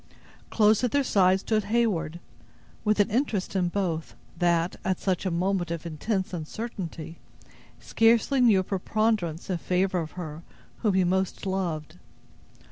Close at their side stood Heyward, with an interest in both, that, at such a moment of intense uncertainty, scarcely knew a preponderance in favor of her whom he most loved.